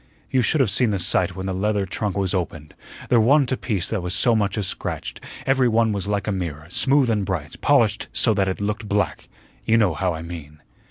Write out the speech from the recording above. "You should have seen the sight when the leather trunk was opened. There wa'n't a piece that was so much as scratched; every one was like a mirror, smooth and bright, polished so that it looked black you know how I mean."